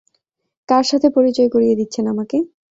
কার সাথে পরিচয় করিয়ে দিচ্ছেন আমাকে?